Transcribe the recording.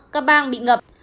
các bang bị ngập